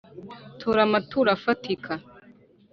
tura amaturo afatika